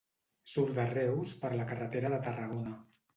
Surt de Reus per la carretera de Tarragona.